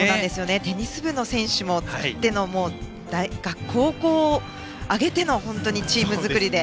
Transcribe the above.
テニス部の選手も使っての高校を挙げてのチーム作りで。